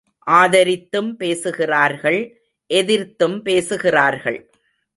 ஆதரித்தும் பேசுகிறார்கள் எதிர்த்தும் பேசுகிறார்கள்.